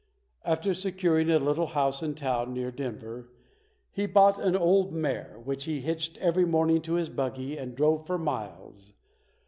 After securing a little house in a town near Denver, he bought an old mare, which he hitched every morning to his buggy and drove for miles.